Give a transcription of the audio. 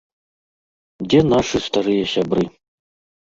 Дзе нашы старыя сябры?